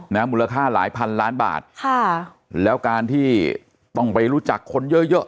มูลค่าหลายพันล้านบาทค่ะแล้วการที่ต้องไปรู้จักคนเยอะเยอะ